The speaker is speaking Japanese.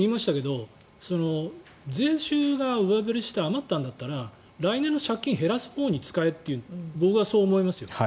昨日も言いましたが税収が上振れして上がったなら来年の借金を減らすほうに使えと僕は思いますよ。